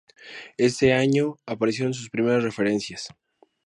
Ese año aparecieron sus primeras referencias.